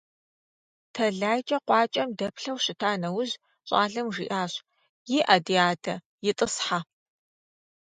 ТэлайкӀэ къуакӀэм дэплъэу щыта нэужь, щӀалэм жиӀащ: - ИӀэ, ди адэ, итӀысхьэ.